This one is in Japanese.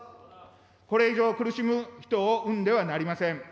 これ以上苦しむ人を生んではなりません。